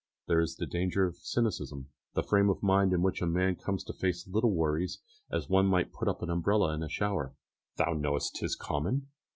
There is a danger of cynicism, the frame of mind in which a man comes to face little worries as one might put up an umbrella in a shower "Thou know'st 'tis common!"